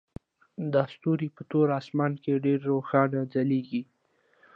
دا ستوري په تور اسمان کې ډیر روښانه ځلیږي